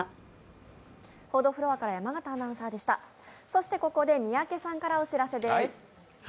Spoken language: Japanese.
そして、ここで三宅さんからお知らせです。